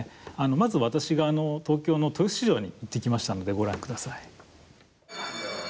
まず私が東京の豊洲市場に行ってきましたのでご覧ください。